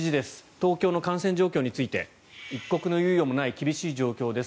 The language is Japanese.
東京の感染状況について一刻の猶予もない厳しい状況です